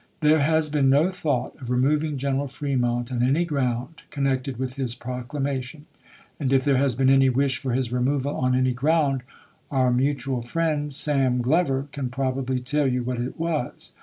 There has been no thought of removing General Fremont on any ground connected with his proclama tion, and if there has been any wish for his removal on any ground, our mutual friend Sam. Glover can probably printed lu tell you what it was.